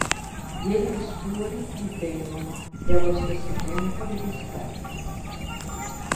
Gli elfi scuri li temono e allo stesso tempo li disprezzano.